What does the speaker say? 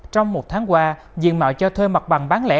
trong một tháng qua diện mạo cho thuê mặt bằng bán lẻ